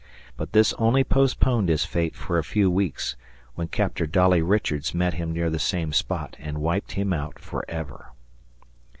But this only postponed his fate for a few weeks, when Captain Dolly Richards met him near the same spot and wiped him out forever.